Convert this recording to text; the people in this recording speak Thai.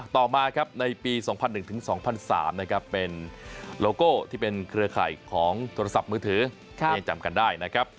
ต่อมาครับในปี๒๐๐๑๒๐๐๓นะครับเป็นโลโก้ที่เป็นเครือข่ายของโทรศัพท์มือถือยังจำกันได้นะครับ